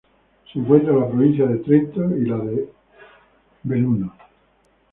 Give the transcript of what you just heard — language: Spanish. Se encuentra en la provincia de Trento y la de Belluno.